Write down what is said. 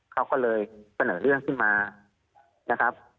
เขาก็เลยเสนอเรื่องขึ้นมานะครับ